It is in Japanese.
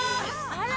あら！